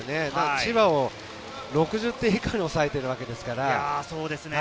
千葉を６０点以下に抑えているわけですから。